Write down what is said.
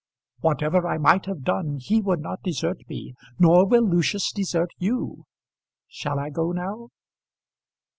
"Whatever I might have done he would not desert me. Nor will Lucius desert you. Shall I go now?"